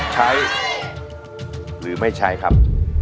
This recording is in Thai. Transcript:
ใช้หรือไม่ใช้ครับ